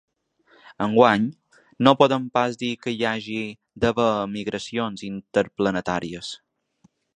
Enguany, no podem pas dir que hi hagi d’haver emigracions interplanetàries.